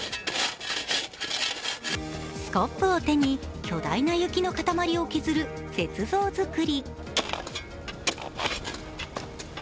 スコップを手に巨大な雪の塊を削る雪像作り。